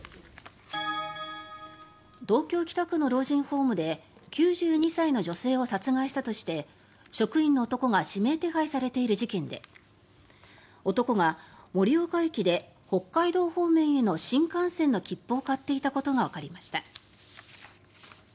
東京・北区の老人ホームで９２歳の女性を殺害したとして職員の男が指名手配されている事件で男が盛岡駅で北海道方面への新幹線の切符を買っていたことがわかりました。